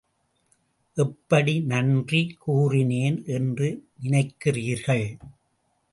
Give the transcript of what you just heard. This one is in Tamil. எப்படி நன்றி கூறினேன் என்று நினைக்கிறீர்கள்.